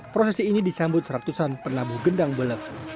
prosesi ini disambut ratusan penabuh gendang belek